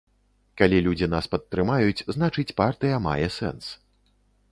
Калі людзі нас падтрымаюць, значыць, партыя мае сэнс.